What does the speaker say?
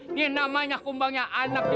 ini namanya kembangnya anaknya